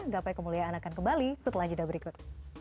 gapai kemuliaan akan kembali setelah jeda berikut